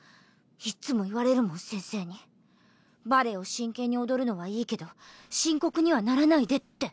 いっつも言われるもん先生にバレエを真剣に踊るのはいいけど深刻にはならないでって。